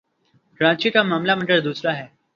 کراچی کا معاملہ مگر دوسرا ہے۔